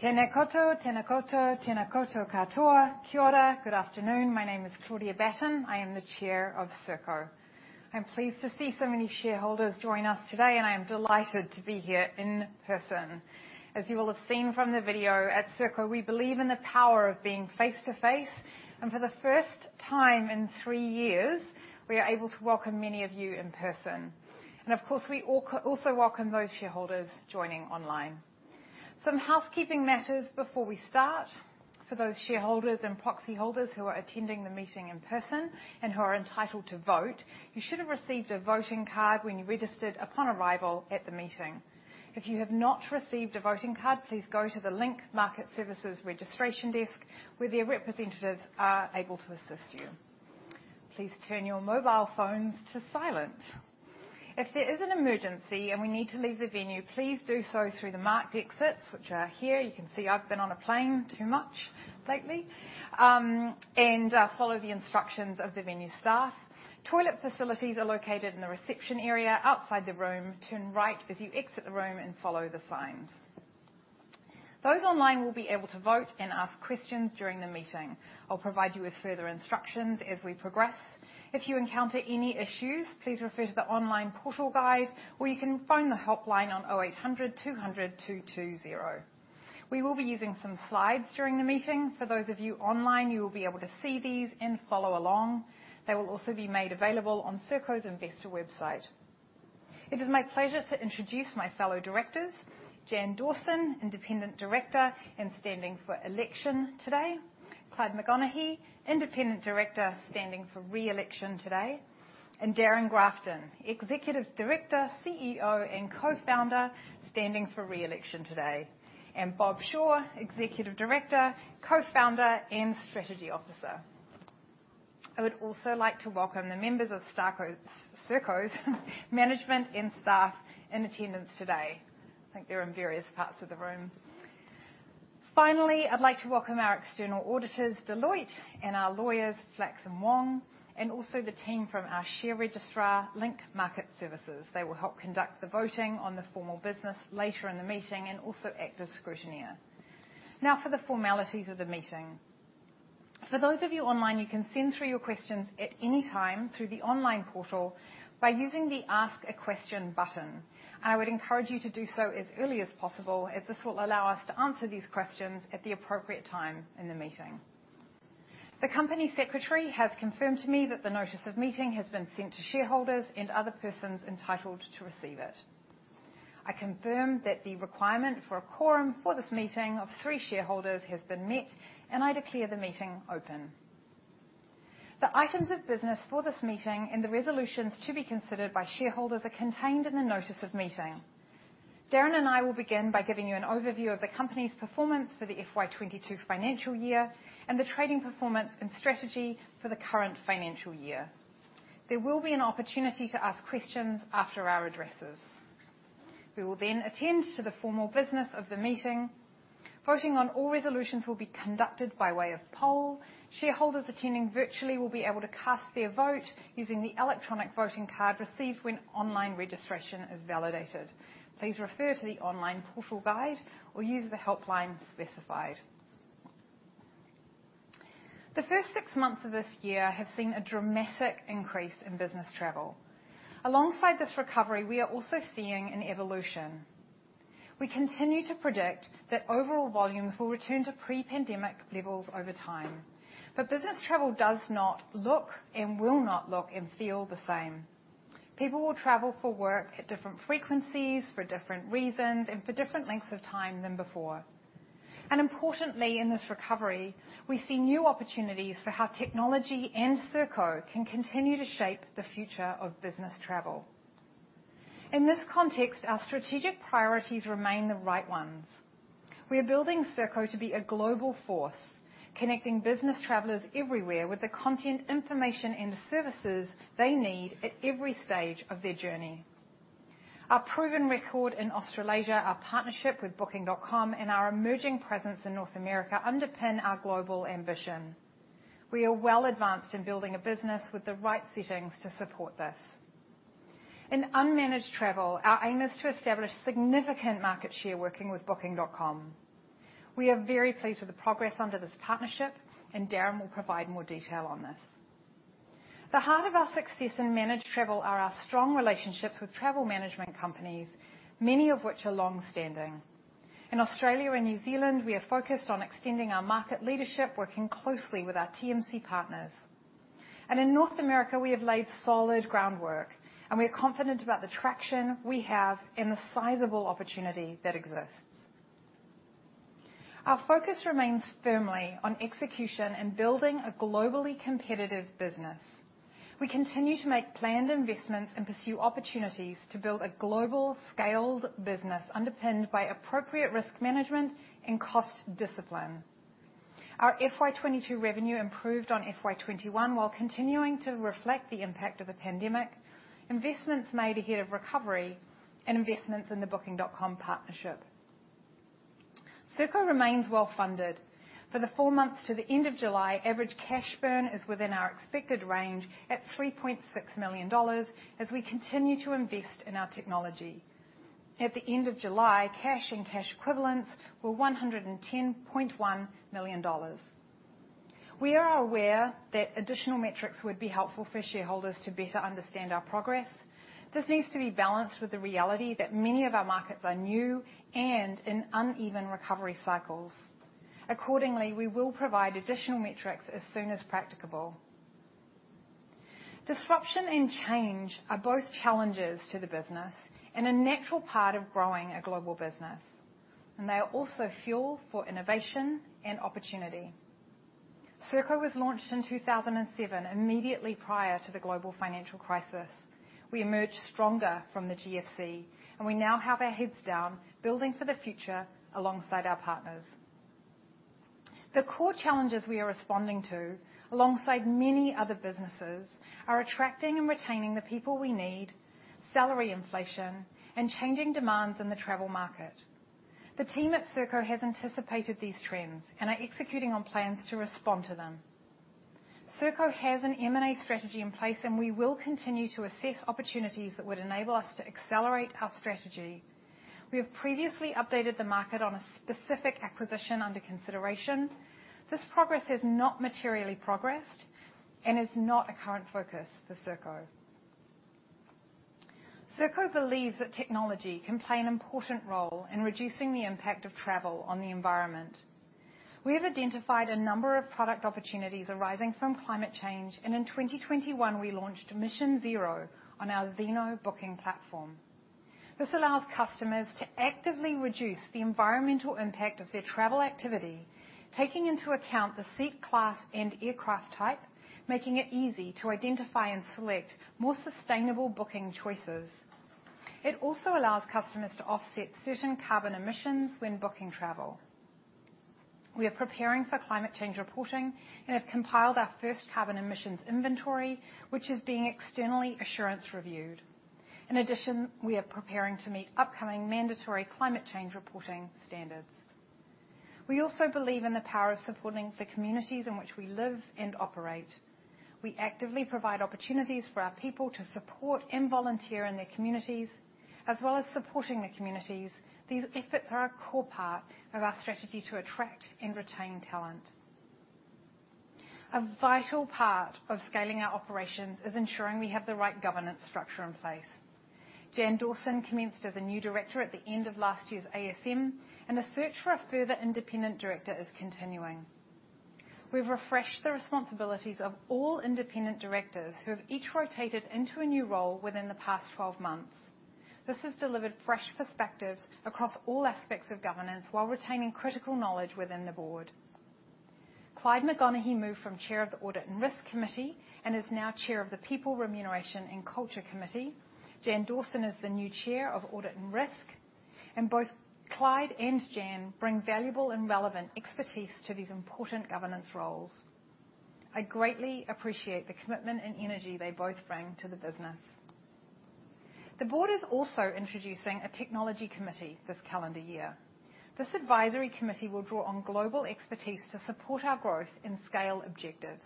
Tēnā koutou, tēnā koutou, tēnā koutou katoa. Kia ora. Good afternoon. My name is Claudia Batten. I am the Chair of Serko. I'm pleased to see so many shareholders join us today, and I am delighted to be here in person. As you will have seen from the video, at Serko, we believe in the power of being face to face, and for the first time in 3 years, we are able to welcome many of you in person. Of course, we also welcome those shareholders joining online. Some housekeeping matters before we start. For those shareholders and proxy holders who are attending the meeting in person and who are entitled to vote, you should have received a voting card when you registered upon arrival at the meeting. If you have not received a voting card, please go to the Link Market Services registration desk, where their representatives are able to assist you. Please turn your mobile phones to silent. If there is an emergency and we need to leave the venue, please do so through the marked exits, which are here. You can see I've been on a plane too much lately. Follow the instructions of the venue staff. Toilet facilities are located in the reception area outside the room. Turn right as you exit the room and follow the signs. Those online will be able to vote and ask questions during the meeting. I'll provide you with further instructions as we progress. If you encounter any issues, please refer to the online portal guide, or you can phone the helpline on 0800-200-220. We will be using some slides during the meeting. For those of you online, you will be able to see these and follow along. They will also be made available on Serko's investor website. It is my pleasure to introduce my fellow directors, Jan Dawson, Independent Director and standing for election today. Clyde McConaghy, Independent Director, standing for re-election today. Darrin Grafton, Executive Director, CEO, and Co-founder, standing for re-election today. Bob Shaw, Executive Director, Co-founder, and Strategy Officer. I would also like to welcome the members of Serko's management and staff in attendance today. I think they're in various parts of the room. Finally, I'd like to welcome our external auditors, Deloitte, and our lawyers, Flacks & Wong, and also the team from our share registrar, Link Market Services. They will help conduct the voting on the formal business later in the meeting and also act as scrutineer. Now for the formalities of the meeting. For those of you online, you can send through your questions at any time through the online portal by using the Ask a Question button. I would encourage you to do so as early as possible, as this will allow us to answer these questions at the appropriate time in the meeting. The company secretary has confirmed to me that the notice of meeting has been sent to shareholders and other persons entitled to receive it. I confirm that the requirement for a quorum for this meeting of 3 shareholders has been met, and I declare the meeting open. The items of business for this meeting and the resolutions to be considered by shareholders are contained in the notice of meeting. Darrin and I will begin by giving you an overview of the company's performance for the FY22 financial year and the trading performance and strategy for the current financial year. There will be an opportunity to ask questions after our addresses. We will then attend to the formal business of the meeting. Voting on all resolutions will be conducted by way of poll. Shareholders attending virtually will be able to cast their vote using the electronic voting card received when online registration is validated. Please refer to the online portal guide or use the helpline specified. The first 6 months of this year have seen a dramatic increase in business travel. Alongside this recovery, we are also seeing an evolution. We continue to predict that overall volumes will return to pre-pandemic levels over time. Business travel does not look and will not look and feel the same. People will travel for work at different frequencies, for different reasons, and for different lengths of time than before. Importantly, in this recovery, we see new opportunities for how technology and Serko can continue to shape the future of business travel. In this context, our strategic priorities remain the right ones. We are building Serko to be a global force, connecting business travelers everywhere with the content, information, and services they need at every stage of their journey. Our proven record in Australasia, our partnership with Booking.com, and our emerging presence in North America underpin our global ambition. We are well advanced in building a business with the right settings to support this. In unmanaged travel, our aim is to establish significant market share working with Booking.com. We are very pleased with the progress under this partnership, and Darrin will provide more detail on this. The heart of our success in managed travel are our strong relationships with travel management companies, many of which are long-standing. In Australia and New Zealand, we are focused on extending our market leadership, working closely with our TMC partners. In North America, we have laid solid groundwork, and we are confident about the traction we have and the sizable opportunity that exists. Our focus remains firmly on execution and building a globally competitive business. We continue to make planned investments and pursue opportunities to build a global scaled business underpinned by appropriate risk management and cost discipline. Our FY22 revenue improved on FY21, while continuing to reflect the impact of the pandemic, investments made ahead of recovery, and investments in the Booking.com partnership. Serko remains well-funded. For the 4 months to the end of July, average cash burn is within our expected range at 3.6 million dollars as we continue to invest in our technology. At the end of July, cash and cash equivalents were 110.1 million dollars. We are aware that additional metrics would be helpful for shareholders to better understand our progress. This needs to be balanced with the reality that many of our markets are new and in uneven recovery cycles. Accordingly, we will provide additional metrics as soon as practicable. Disruption and change are both challenges to the business and a natural part of growing a global business, and they are also fuel for innovation and opportunity. Serko was launched in 2007, immediately prior to the global financial crisis. We emerged stronger from the GFC, and we now have our heads down, building for the future alongside our partners. The core challenges we are responding to, alongside many other businesses, are attracting and retaining the people we need, salary inflation, and changing demands in the travel market. The team at Serko has anticipated these trends and are executing on plans to respond to them. Serko has an M&A strategy in place, and we will continue to assess opportunities that would enable us to accelerate our strategy. We have previously updated the market on a specific acquisition under consideration. This progress has not materially progressed and is not a current focus for Serko. Serko believes that technology can play an important role in reducing the impact of travel on the environment. We have identified a number of product opportunities arising from climate change, and in 2021, we launched Mission Zero on our Zeno booking platform. This allows customers to actively reduce the environmental impact of their travel activity, taking into account the seat class and aircraft type, making it easy to identify and select more sustainable booking choices. It also allows customers to offset certain carbon emissions when booking travel. We are preparing for climate change reporting and have compiled our first carbon emissions inventory, which is being externally assurance reviewed. In addition, we are preparing to meet upcoming mandatory climate change reporting standards. We also believe in the power of supporting the communities in which we live and operate. We actively provide opportunities for our people to support and volunteer in their communities as well as supporting the communities. These efforts are a core part of our strategy to attract and retain talent. A vital part of scaling our operations is ensuring we have the right governance structure in place. Jan Dawson commenced as a new director at the end of last year's ASM, and the search for a further independent director is continuing. We've refreshed the responsibilities of all independent directors who have each rotated into a new role within the past 12 months. This has delivered fresh perspectives across all aspects of governance while retaining critical knowledge within the board. Clyde McConaghy moved from Chair of the Audit and Risk Committee and is now Chair of the People, Remuneration, and Culture Committee. Jan Dawson is the new Chair of Audit and Risk, and both Clyde and Jan bring valuable and relevant expertise to these important governance roles. I greatly appreciate the commitment and energy they both bring to the business. The board is also introducing a technology committee this calendar year. This advisory committee will draw on global expertise to support our growth and scale objectives.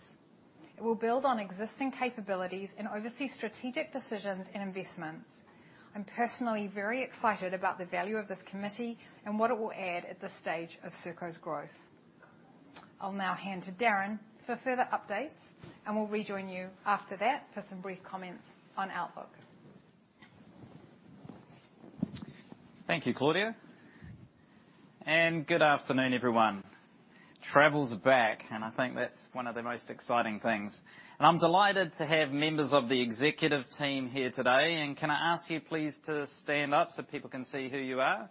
It will build on existing capabilities and oversee strategic decisions and investments. I'm personally very excited about the value of this committee and what it will add at this stage of Serko's growth. I'll now hand to Darrin for further updates, and we'll rejoin you after that for some brief comments on Outlook. Thank you, Claudia. Good afternoon, everyone. Travel's back, and I think that's 1 of the most exciting things. I'm delighted to have members of the executive team here today. Can I ask you please to stand up so people can see who you are?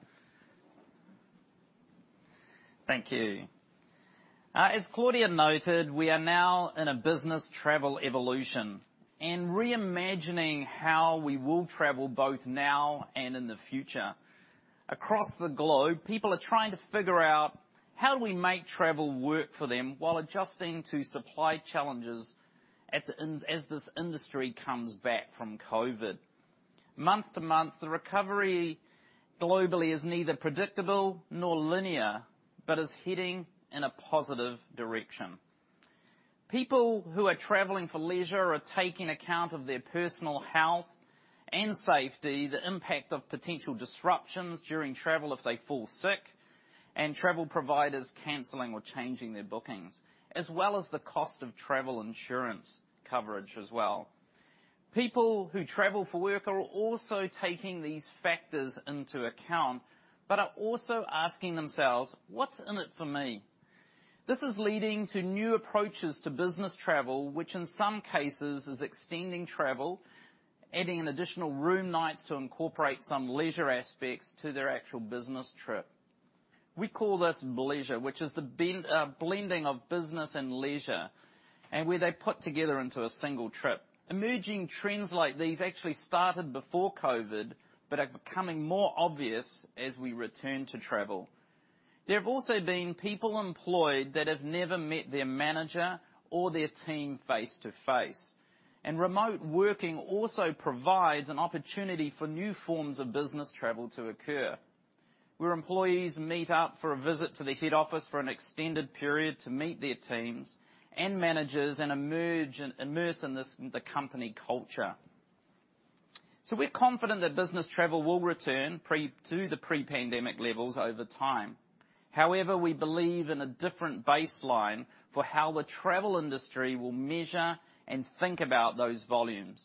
Thank you. As Claudia noted, we are now in a business travel evolution and reimagining how we will travel both now and in the future. Across the globe, people are trying to figure out how do we make travel work for them while adjusting to supply challenges at the end, as this industry comes back from COVID. Month to month, the recovery globally is neither predictable nor linear but is heading in a positive direction. People who are traveling for leisure are taking account of their personal health and safety, the impact of potential disruptions during travel if they fall sick, and travel providers canceling or changing their bookings, as well as the cost of travel insurance coverage as well. People who travel for work are also taking these factors into account but are also asking themselves, "What's in it for me?" This is leading to new approaches to business travel, which in some cases is extending travel, adding an additional room nights to incorporate some leisure aspects to their actual business trip. We call this bleisure, which is the blending of business and leisure, and where they're put together into a single trip. Emerging trends like these actually started before COVID but are becoming more obvious as we return to travel. There have also been people employed that have never met their manager or their team face-to-face. Remote working also provides an opportunity for new forms of business travel to occur, where employees meet up for a visit to the head office for an extended period to meet their teams and managers and emerge and immerse in this, the company culture. We're confident that business travel will return to the pre-pandemic levels over time. However, we believe in a different baseline for how the travel industry will measure and think about those volumes.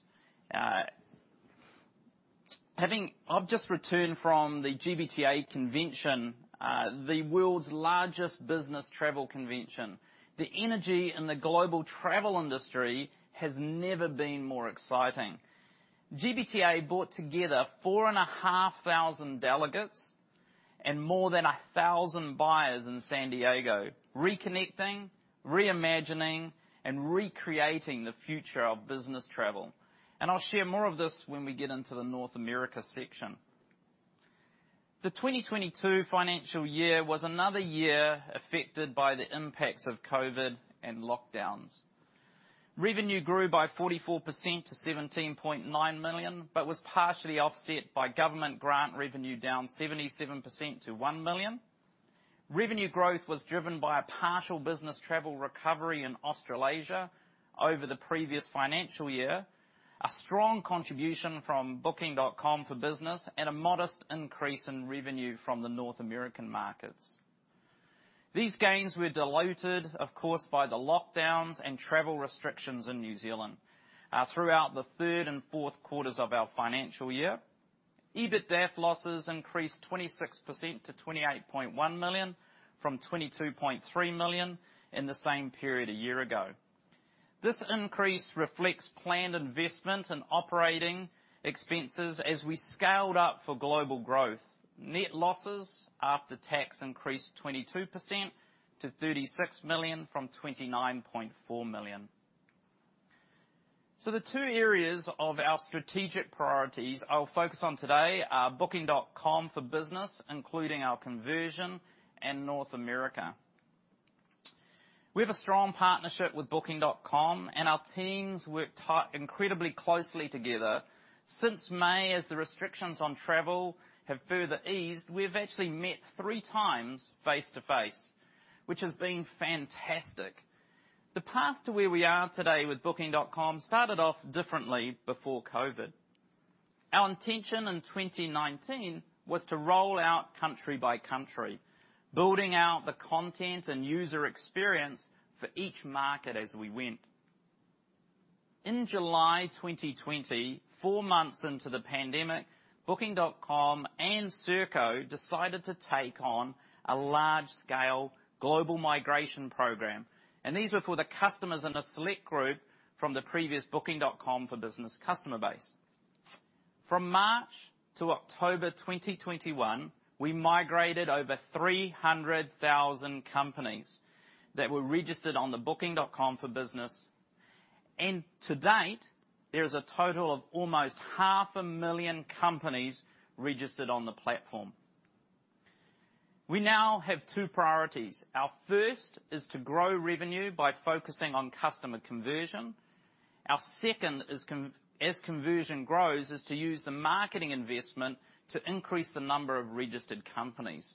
I've just returned from the GBTA convention, the world's largest business travel convention. The energy in the global travel industry has never been more exciting. GBTA brought together 4,500 delegates and more than 1,000 buyers in San Diego, reconnecting, reimagining, and recreating the future of business travel. I'll share more of this when we get into the North America section. The 2022 financial year was another year affected by the impacts of COVID and lockdowns. Revenue grew by 44% to 17.9 million, but was partially offset by government grant revenue down 77% to 1 million. Revenue growth was driven by a partial business travel recovery in Australasia over the previous financial year, a strong contribution from Booking.com for Business, and a modest increase in revenue from the North American markets. These gains were diluted, of course, by the lockdowns and travel restrictions in New Zealand, throughout the Q3 and Q4 of our financial year. EBITDAF losses increased 26% to 28.1 million from 22.3 million in the same period a year ago. This increase reflects planned investment in operating expenses as we scaled up for global growth. Net losses after tax increased 22% to 36 million from 29.4 million. The 2 areas of our strategic priorities I'll focus on today are Booking.com for Business, including our conversion and North America. We have a strong partnership with Booking.com, and our teams worked incredibly closely together. Since May, as the restrictions on travel have further eased, we've actually met 3 times face to face, which has been fantastic. The path to where we are today with Booking.com started off differently before COVID. Our intention in 2019 was to roll out country by country, building out the content and user experience for each market as we went. In July 2020, 4 months into the pandemic, Booking.com and Serko decided to take on a large-scale global migration program, and these were for the customers in a select group from the previous Booking.com for Business customer base. From March to October 2021, we migrated over 300,000 companies that were registered on the Booking.com for Business. To date, there is a total of almost 500,000 companies registered on the platform. We now have 2 priorities. Our first is to grow revenue by focusing on customer conversion. Our second is, as conversion grows, to use the marketing investment to increase the number of registered companies.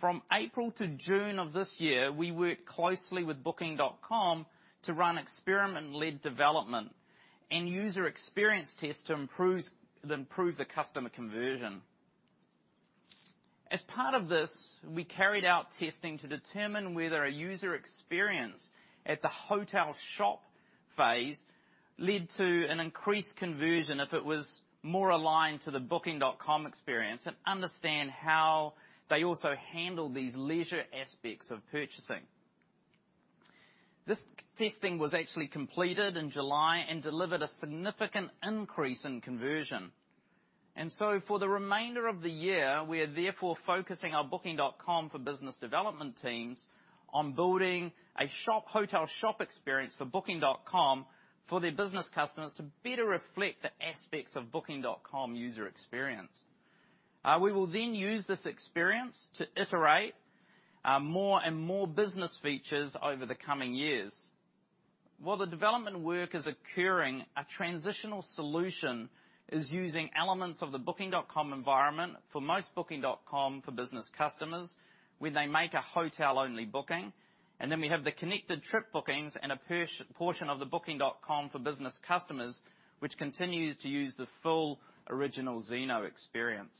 From April to June of this year, we worked closely with Booking.com to run experiment-led development and user experience tests to improve the customer conversion. As part of this, we carried out testing to determine whether a user experience at the hotel shop phase led to an increased conversion if it was more aligned to the Booking.com experience and understand how they also handle these leisure aspects of purchasing. This testing was actually completed in July and delivered a significant increase in conversion. For the remainder of the year, we are therefore focusing our Booking.com for Business development teams on building a hotel shop experience for Booking.com for their business customers to better reflect the aspects of Booking.com user experience. We will then use this experience to iterate, more and more business features over the coming years. While the development work is occurring, a transitional solution is using elements of the Booking.com environment for most Booking.com for Business customers when they make a hotel-only booking. We have the connected trip bookings and a portion of the Booking.com for Business customers, which continues to use the full original Zeno experience.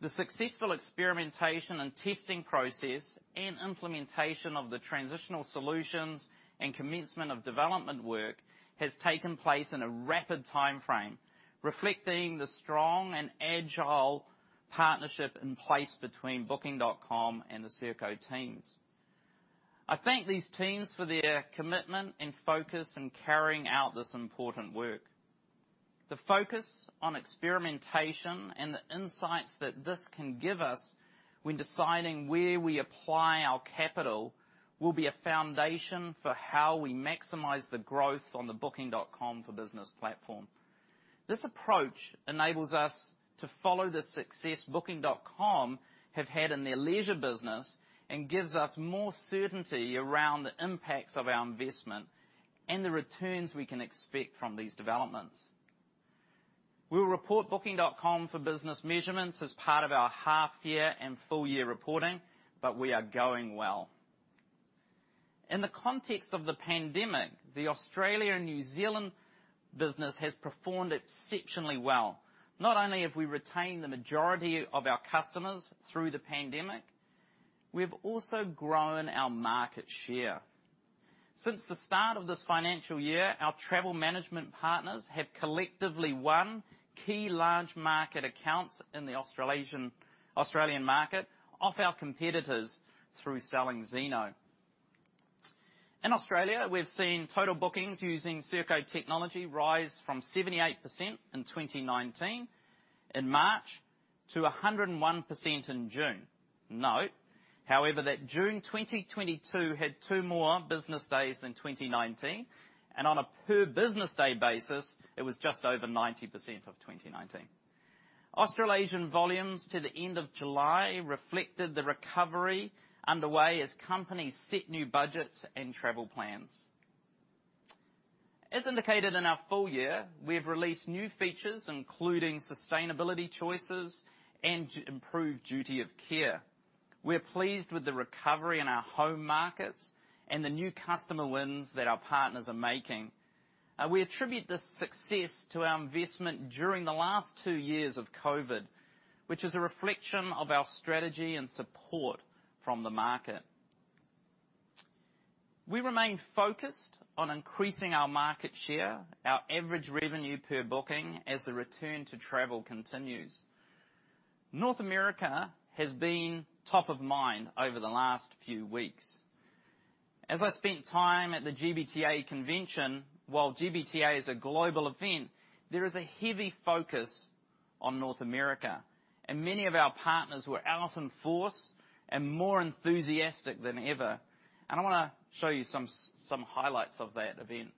The successful experimentation and testing process and implementation of the transitional solutions and commencement of development work has taken place in a rapid timeframe, reflecting the strong and agile partnership in place between Booking.com and the Serko teams. I thank these teams for their commitment and focus in carrying out this important work. The focus on experimentation and the insights that this can give us when deciding where we apply our capital will be a foundation for how we maximize the growth on the Booking.com for Business platform. This approach enables us to follow the success Booking.com have had in their leisure business and gives us more certainty around the impacts of our investment. The returns we can expect from these developments. We'll report Booking.com for Business measurements as part of our half-year and full-year reporting, but we are going well. In the context of the pandemic, the Australia and New Zealand business has performed exceptionally well. Not only have we retained the majority of our customers through the pandemic, we have also grown our market share. Since the start of this financial year, our travel management partners have collectively won key large market accounts in the Australian market off our competitors through selling Zeno. In Australia, we've seen total bookings using Serko technology rise from 78% in March 2019 to 101% in June 2022. Note, however, that June 2022 had 2 more business days than 2019, and on a per business day basis, it was just over 90% of 2019. Australasian volumes to the end of July reflected the recovery underway as companies set new budgets and travel plans. As indicated in our full year, we've released new features, including sustainability choices and to improve duty of care. We're pleased with the recovery in our home markets and the new customer wins that our partners are making. We attribute this success to our investment during the last 2 years of COVID, which is a reflection of our strategy and support from the market. We remain focused on increasing our market share, our average revenue per booking as the return to travel continues. North America has been top of mind over the last few weeks. As I spent time at the GBTA convention, while GBTA is a global event, there is a heavy focus on North America, and many of our partners were out in force and more enthusiastic than ever. I wanna show you some highlights of that event.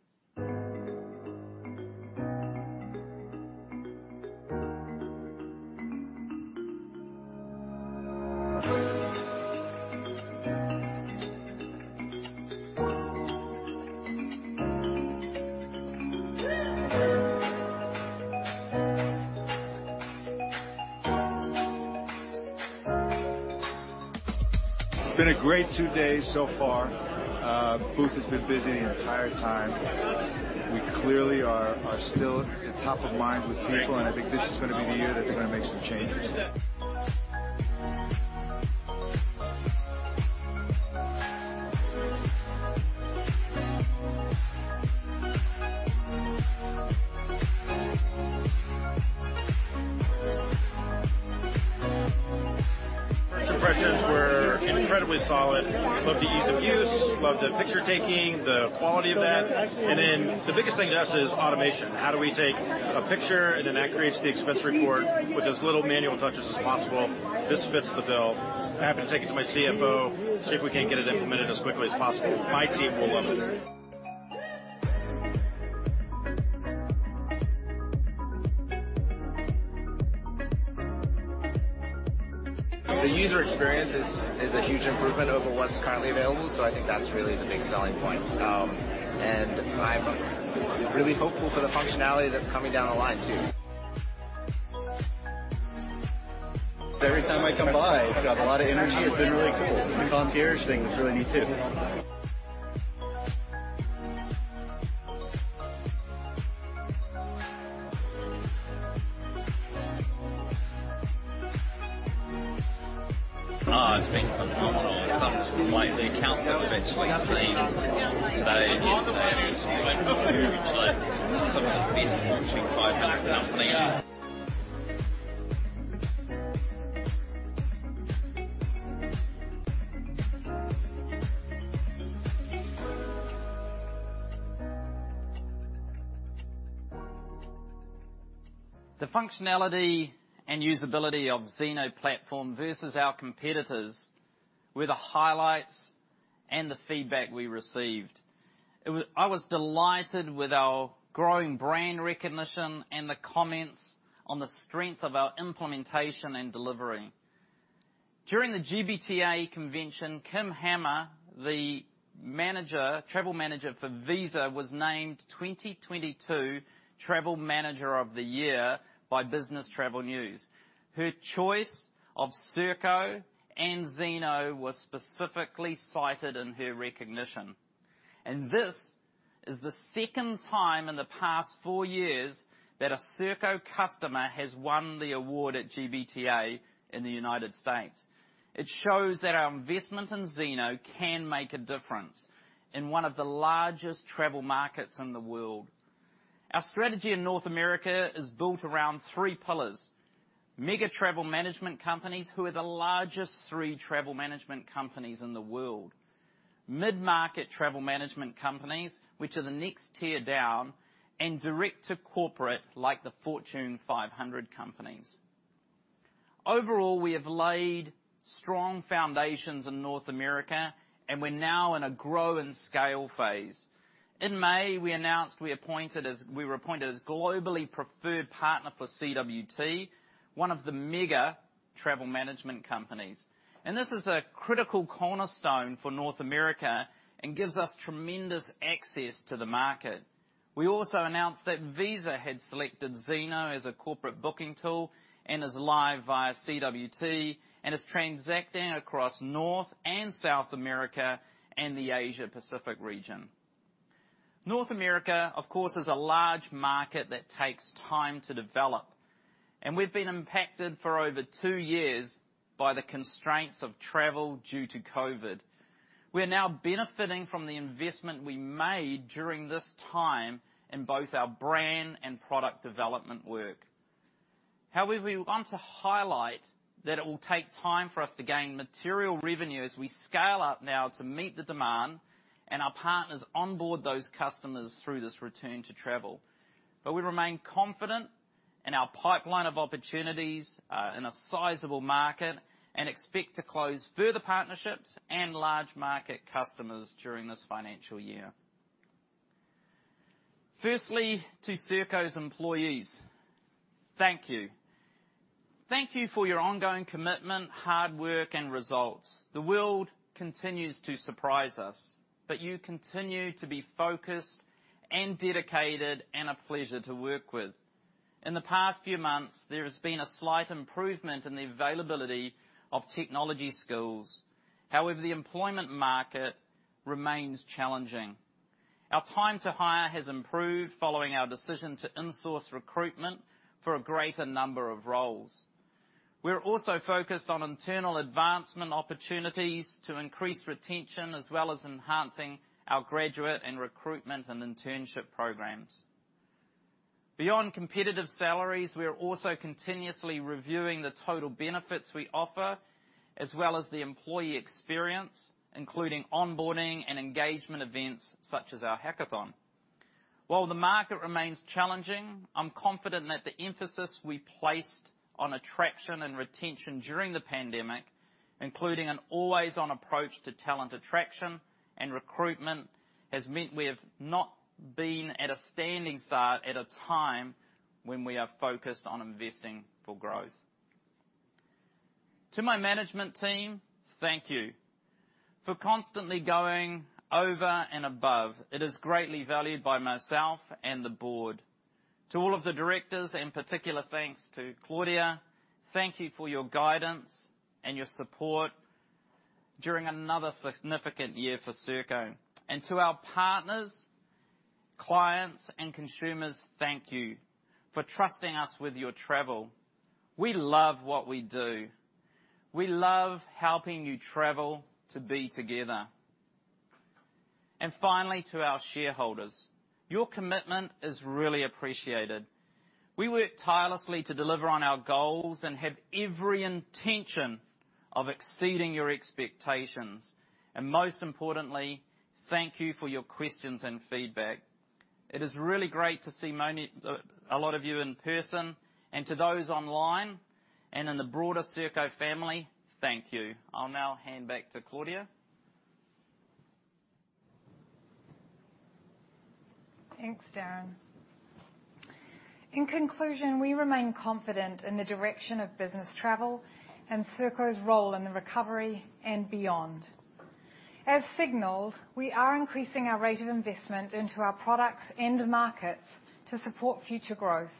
It's been a great 2 days so far. Booth has been busy the entire time. We clearly are still top of mind with people, and I think this is gonna be the year that they're gonna make some changes. First impressions were incredibly solid. Loved the ease of use, loved the picture taking, the quality of that. The biggest thing to us is automation. How do we take a picture, and then that creates the expense report with as little manual touches as possible? This fits the bill. I happen to take it to my CFO, see if we can't get it implemented as quickly as possible. My team will love it. The user experience is a huge improvement over what's currently available, so I think that's really the big selling point. I'm really hopeful for the functionality that's coming down the line too. Every time I come by, it's got a lot of energy. It's been really cool. The concierge thing is really neat too. Oh, it's been phenomenal. It's absolutely the accounts that we've actually seen today and yesterday has been incredible. It's like some of the best-functioning travel company. The functionality and usability of Zeno platform versus our competitors were the highlights and the feedback we received. I was delighted with our growing brand recognition and the comments on the strength of our implementation and delivery. During the GBTA convention, Kim Hamer, the travel manager for Visa, was named 2022 Travel Manager of the Year by Business Travel News. Her choice of Serko and Zeno was specifically cited in her recognition. This is the second time in the past 4 years that a Serko customer has won the award at GBTA in the United States. It shows that our investment in Zeno can make a difference in 1 of the largest travel markets in the world. Our strategy in North America is built around 3 pillars. Mega travel management companies who are the largest 3 travel management companies in the world. Mid-market travel management companies, which are the next tier down, and direct to corporate, like the Fortune 500 companies. Overall, we have laid strong foundations in North America, and we're now in a grow and scale phase. In May, we announced we were appointed as globally preferred partner for CWT, 1 of the mega travel management companies. This is a critical cornerstone for North America and gives us tremendous access to the market. We also announced that Visa had selected Zeno as a corporate booking tool and is live via CWT, and is transacting across North and South America and the Asia Pacific region. North America, of course, is a large market that takes time to develop, and we've been impacted for over 2 years by the constraints of travel due to COVID. We are now benefiting from the investment we made during this time in both our brand and product development work. However, we want to highlight that it will take time for us to gain material revenue as we scale up now to meet the demand and our partners onboard those customers through this return to travel. We remain confident in our pipeline of opportunities in a sizable market, and expect to close further partnerships and large-market customers during this financial year. Firstly, to Serko's employees, thank you. Thank you for your ongoing commitment, hard work, and results. The world continues to surprise us, but you continue to be focused and dedicated, and a pleasure to work with. In the past few months, there has been a slight improvement in the availability of technology skills. However, the employment market remains challenging. Our time to hire has improved following our decision to insource recruitment for a greater number of roles. We're also focused on internal advancement opportunities to increase retention as well as enhancing our graduate and recruitment and internship programs. Beyond competitive salaries, we are also continuously reviewing the total benefits we offer, as well as the employee experience, including onboarding and engagement events such as our hackathon. While the market remains challenging, I'm confident that the emphasis we placed on attraction and retention during the pandemic, including an always-on approach to talent attraction and recruitment, has meant we have not been at a standing start at a time when we are focused on investing for growth. To my management team, thank you for constantly going over and above. It is greatly valued by myself and the board. To all of the directors, in particular, thanks to Claudia. Thank you for your guidance and your support during another significant year for Serko. To our partners, clients, and consumers, thank you for trusting us with your travel. We love what we do. We love helping you travel to be together. Finally, to our shareholders, your commitment is really appreciated. We work tirelessly to deliver on our goals and have every intention of exceeding your expectations. Most importantly, thank you for your questions and feedback. It is really great to see a lot of you in person, and to those online and in the broader Serko family, thank you. I'll now hand back to Claudia. Thanks, Darrin. In conclusion, we remain confident in the direction of business travel and Serko's role in the recovery and beyond. As signaled, we are increasing our rate of investment into our products and markets to support future growth.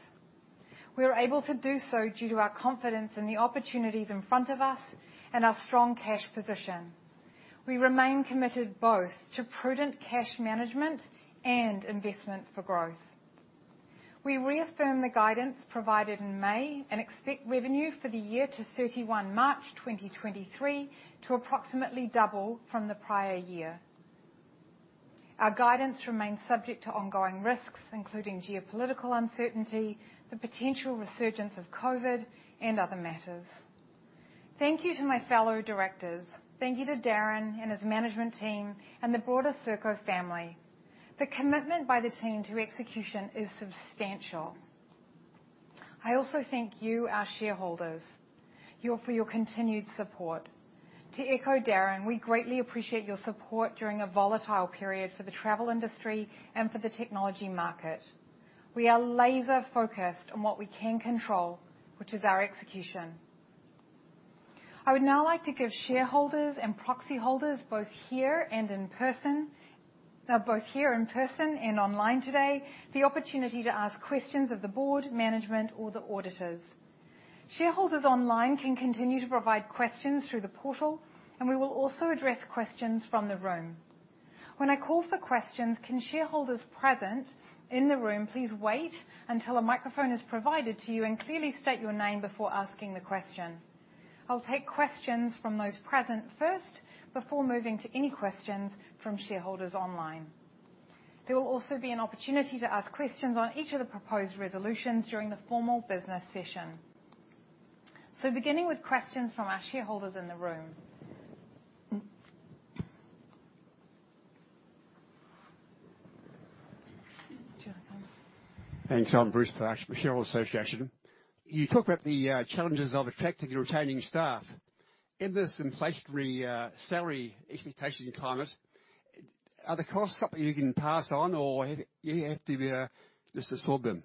We are able to do so due to our confidence in the opportunities in front of us and our strong cash position. We remain committed both to prudent cash management and investment for growth. We reaffirm the guidance provided in May and expect revenue for the year to 31 March 2023 to approximately double from the prior year. Our guidance remains subject to ongoing risks, including geopolitical uncertainty, the potential resurgence of COVID, and other matters. Thank you to my fellow directors. Thank you to Darrin and his management team and the broader Serko family. The commitment by the team to execution is substantial. I also thank you, our shareholders, for your continued support. To echo Darrin, we greatly appreciate your support during a volatile period for the travel industry and for the technology market. We are laser-focused on what we can control, which is our execution. I would now like to give shareholders and proxy holders both here in person and online today the opportunity to ask questions of the board, management, or the auditors. Shareholders online can continue to provide questions through the portal, and we will also address questions from the room. When I call for questions, can shareholders present in the room please wait until a microphone is provided to you and clearly state your name before asking the question? I'll take questions from those present first before moving to any questions from shareholders online. There will also be an opportunity to ask questions on each of the proposed resolutions during the formal business session. Beginning with questions from our shareholders in the room. Do you wanna come? Thanks. I'm Bruce from Shareholders Association. You talk about the challenges of attracting and retaining staff. In this inflationary salary expectations climate, are the costs something you can pass on or you have to just absorb them?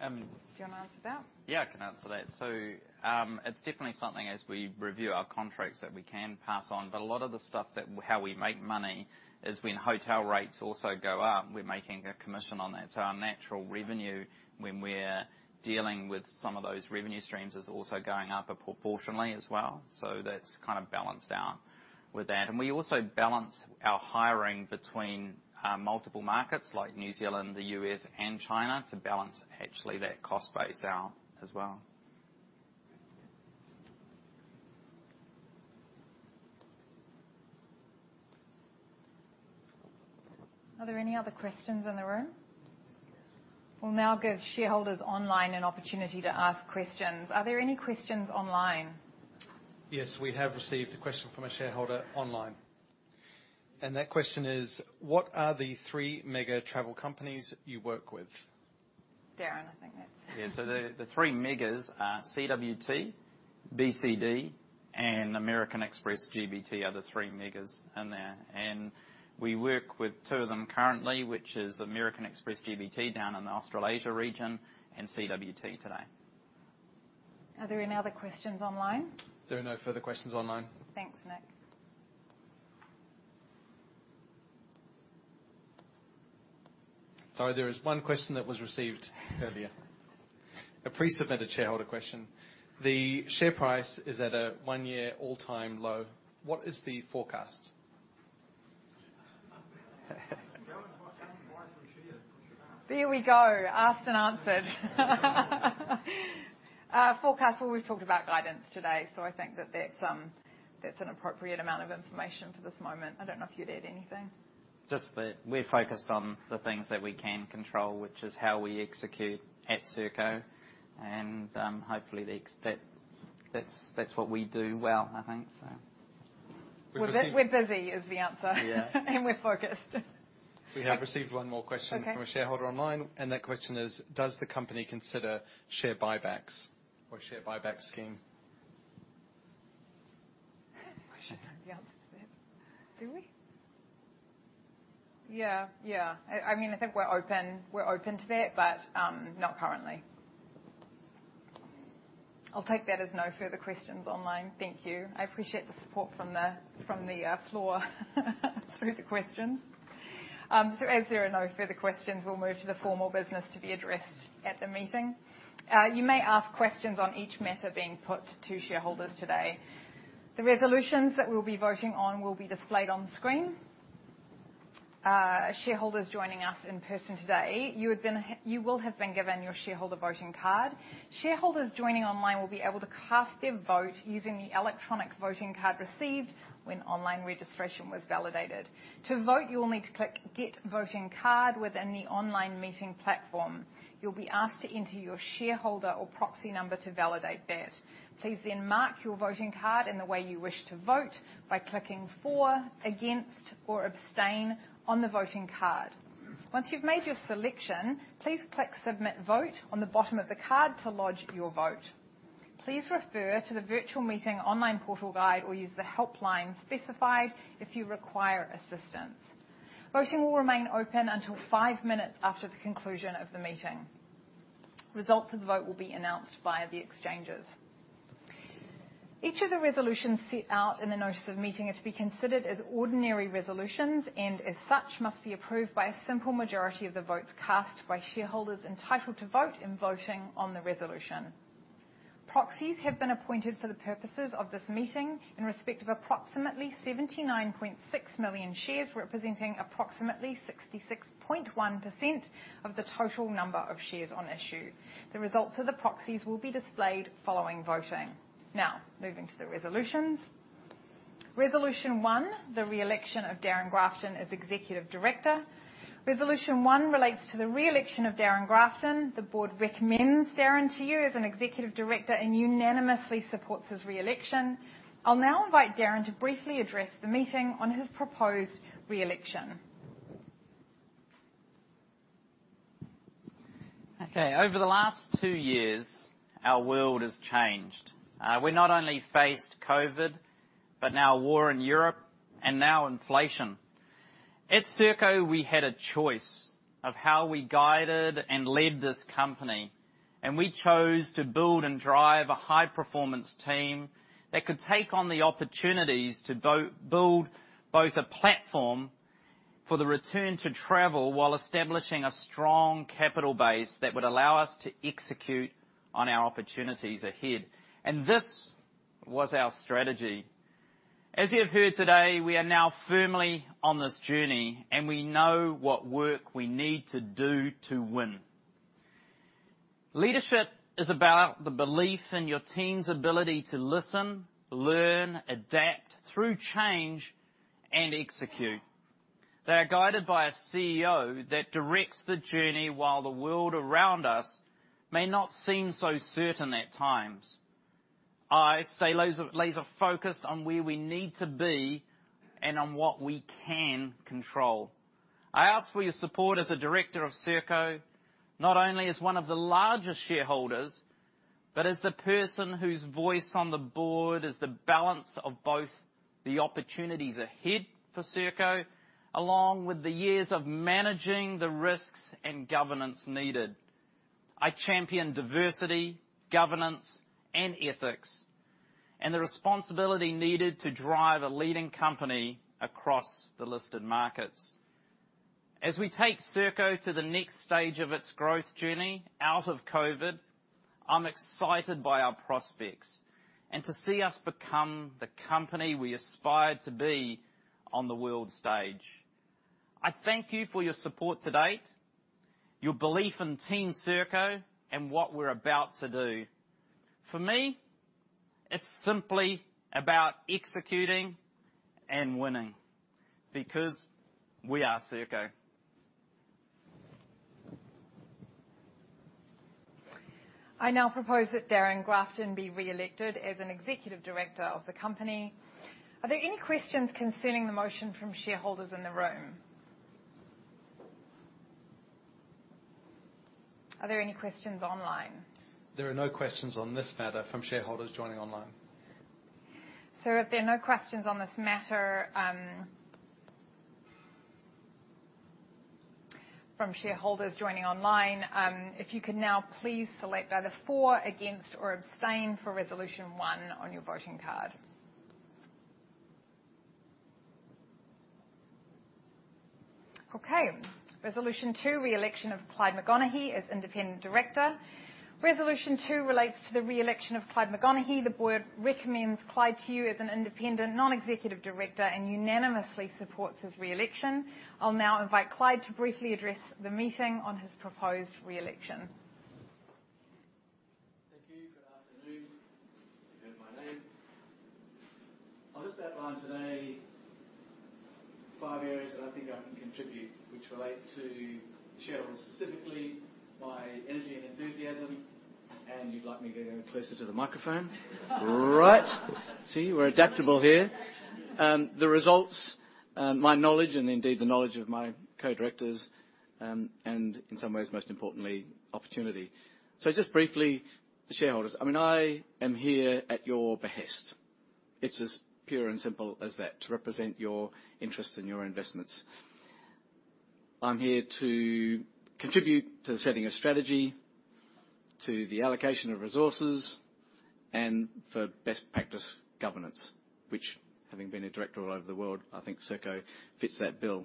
Um- Do you wanna answer that? Yeah, I can answer that. It's definitely something as we review our contracts that we can pass on. A lot of the stuff how we make money is when hotel rates also go up, we're making a commission on that. Our natural revenue when we're dealing with some of those revenue streams is also going up proportionally as well. That's kind of balanced out with that. We also balance our hiring between multiple markets like New Zealand, the U.S., and China to balance actually that cost base out as well. Are there any other questions in the room? We'll now give shareholders online an opportunity to ask questions. Are there any questions online? Yes. We have received a question from a shareholder online. That question is: What are the 3 mega travel companies you work with? Darrin, I think that's. The 3 megas are CWT, BCD, and American Express GBT are the 3 megas in there. We work with 2 of them currently, which is American Express GBT down in the Australasia region and CWT today. Are there any other questions online? There are no further questions online. Thanks, Nick. Sorry, there is 1 question that was received earlier. A pre-submitted shareholder question. The share price is at a one-year all-time low. What is the forecast? Go and buy some shares. There we go. Asked and answered. Well, we've talked about guidance today, so I think that's an appropriate amount of information for this moment. I don't know if you'd add anything. Just that we're focused on the things that we can control, which is how we execute at Serko and, hopefully, that's what we do well, I think so. We're busy is the answer. Yeah. We're focused. We have received 1 more question. Okay from a shareholder online, that question is: Does the company consider share buybacks or share buyback scheme? We shouldn't know the answer to that. Do we? Yeah. Yeah. I mean, I think we're open to that, but not currently. I'll take that as no further questions online. Thank you. I appreciate the support from the floor through the questions. As there are no further questions, we'll move to the formal business to be addressed at the meeting. You may ask questions on each matter being put to shareholders today. The resolutions that we'll be voting on will be displayed on screen. Shareholders joining us in person today, you will have been given your shareholder voting card. Shareholders joining online will be able to cast their vote using the electronic voting card received when online registration was validated. To vote, you will need to click Get Voting Card within the online meeting platform. You'll be asked to enter your shareholder or proxy number to validate that. Please then mark your voting card in the way you wish to vote by clicking For, Against or Abstain on the voting card. Once you've made your selection, please click Submit Vote on the bottom of the card to lodge your vote. Please refer to the virtual meeting online portal guide or use the helpline specified if you require assistance. Voting will remain open until 5 minutes after the conclusion of the meeting. Results of the vote will be announced via the exchanges. Each of the resolutions set out in the notice of meeting are to be considered as ordinary resolutions, and as such, must be approved by a simple majority of the votes cast by shareholders entitled to vote in voting on the resolution. Proxies have been appointed for the purposes of this meeting in respect of approximately 79.6 million shares, representing approximately 66.1% of the total number of shares on issue. The results of the proxies will be displayed following voting. Now, moving to the resolutions. Resolution one, the re-election of Darrin Grafton as Executive Director. Resolution 1 relates to the re-election of Darrin Grafton. The board recommends Darrin to you as an Executive Director and unanimously supports his re-election. I'll now invite Darrin to briefly address the meeting on his proposed re-election. Okay. Over the last 2 years, our world has changed. We not only faced COVID, but now war in Europe and now inflation. At Serko, we had a choice of how we guided and led this company, and we chose to build and drive a high performance team that could take on the opportunities to build both a platform for the return to travel while establishing a strong capital base that would allow us to execute on our opportunities ahead. This was our strategy. As you have heard today, we are now firmly on this journey, and we know what work we need to do to win. Leadership is about the belief in your team's ability to listen, learn, adapt through change and execute. They are guided by a CEO that directs the journey while the world around us may not seem so certain at times. I stay laser focused on where we need to be and on what we can control. I ask for your support as a director of Serko, not only as 1 of the largest shareholders, but as the person whose voice on the board is the balance of both the opportunities ahead for Serko, along with the years of managing the risks and governance needed. I champion diversity, governance, and ethics, and the responsibility needed to drive a leading company across the listed markets. As we take Serko to the next stage of its growth journey out of COVID, I'm excited by our prospects, and to see us become the company we aspire to be on the world stage. I thank you for your support to date, your belief in team Serko, and what we're about to do. For me, it's simply about executing and winning, because we are Serko. I now propose that Darrin Grafton be re-elected as an executive director of the company. Are there any questions concerning the motion from shareholders in the room? Are there any questions online? There are no questions on this matter from shareholders joining online. If there are no questions on this matter from shareholders joining online, if you could now please select either for, against, or abstain for Resolution 1 on your voting card. Okay. Resolution 2, re-election of Clyde McConaghy as independent director. Resolution 2 relates to the re-election of Clyde McConaghy. The board recommends Clyde to you as an independent non-executive director, and unanimously supports his re-election. I'll now invite Clyde to briefly address the meeting on his proposed re-election. Thank you. Good afternoon. You've heard my name. I'll just outline today 5 areas that I think I can contribute, which relate to shareholders, specifically my energy and enthusiasm. You'd like me to get a bit closer to the microphone. Right. See, we're adaptable here. The results, my knowledge, and indeed the knowledge of my co-directors, and in some ways, most importantly, opportunity. Just briefly, the shareholders. I mean, I am here at your behest. It's as pure and simple as that, to represent your interests and your investments. I'm here to contribute to the setting of strategy, to the allocation of resources, and for best practice governance, which having been a director all over the world, I think Serko fits that bill.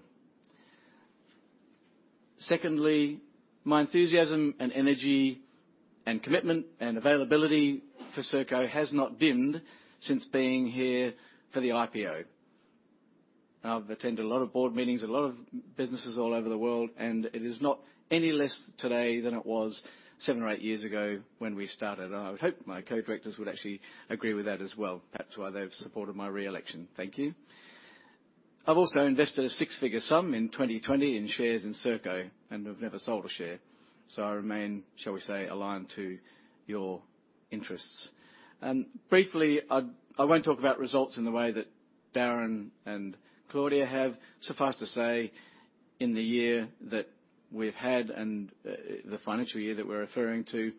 Secondly, my enthusiasm and energy and commitment and availability for Serko has not dimmed since being here for the IPO. I've attended a lot of board meetings at a lot of businesses all over the world, and it is not any less today than it was 7 or 8 years ago when we started. I would hope my co-directors would actually agree with that as well. Perhaps why they've supported my reelection. Thank you. I've also invested a 6-figure sum in 2020 in shares in Serko and have never sold a share. So I remain, shall we say, aligned to your interests. Briefly, I won't talk about results in the way that Darrin and Claudia have. Suffice to say, in the year that we've had and the financial year that we're referring to,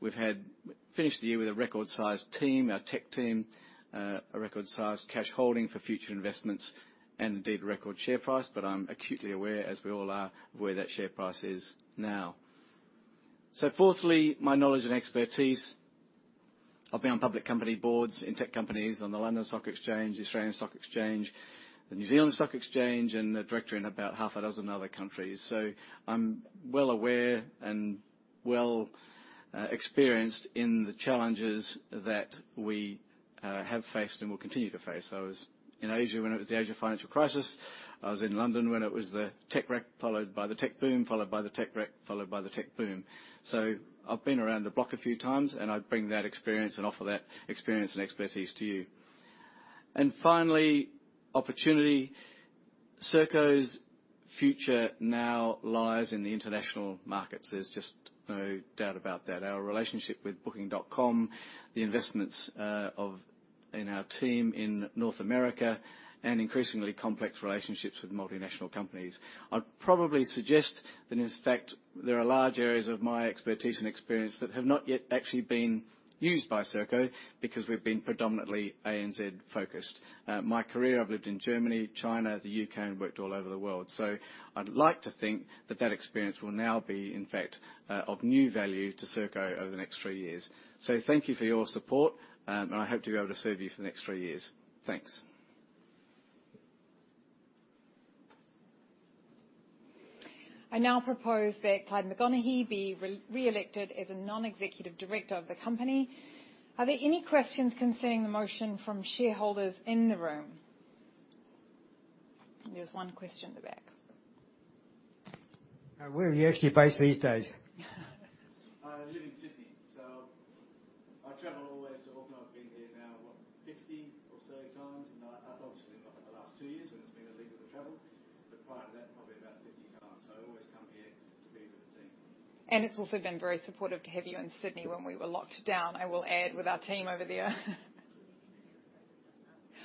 we've had finished the year with a record-sized team, our tech team, a record-sized cash holding for future investments, and indeed, record share price, but I'm acutely aware, as we all are, of where that share price is now. Fourthly, my knowledge and expertise. I've been on public company boards and tech companies on the London Stock Exchange, the Australian Securities Exchange, the New Zealand Exchange, and a director in about half a dozen other countries. I'm well aware and well experienced in the challenges that we have faced and will continue to face. I was in Asia when it was the Asia financial crisis. I was in London when it was the tech wreck, followed by the tech boom, followed by the tech wreck, followed by the tech boom. I've been around the block a few times, and I bring that experience and offer that experience and expertise to you. Finally, opportunity. Serko's future now lies in the international markets. There's just no doubt about that. Our relationship with Booking.com, the investments in our team in North America, and increasingly complex relationships with multinational companies. I'd probably suggest that, in fact, there are large areas of my expertise and experience that have not yet actually been used by Serko because we've been predominantly ANZ-focused. My career, I've lived in Germany, China, the U.K., and worked all over the world. I'd like to think that experience will now be, in fact, of new value to Serko over the next 3 years. Thank you for your support, and I hope to be able to serve you for the next 3 years. Thanks. I now propose that Clyde McConaghy be re-elected as a non-executive director of the company. Are there any questions concerning the motion from shareholders in the room? There's 1 question at the back. Where are you actually based these days? I live in Sydney, so I travel always to Auckland. I've been here now, what, 50 or so times, and I, obviously not for the last 2 years when it's been illegal to travel, but prior to that, probably about 50. It's also been very supportive to have you in Sydney when we were locked down, I will add, with our team over there.